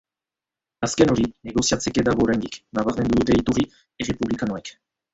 Azken hori negoziatzeke dago oraindik, nabarmendu dute iturri errepublikanoek.